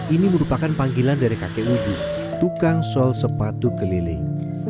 ini merupakan panggilan dari kakek uju tukang sol sepatu keliling